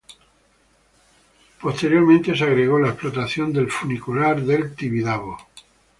Posteriormente se agregó la explotación del funicular del Tibidabo.